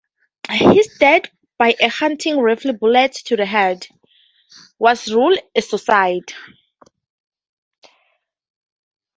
His death, by a hunting rifle bullet to the head, was ruled a suicide.